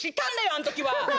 あのときは！